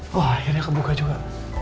wah akhirnya kebuka juga